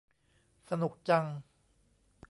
สนุกจัง